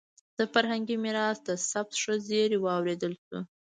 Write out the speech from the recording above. د فرهنګي میراث د ثبت ښه زېری واورېدل شو.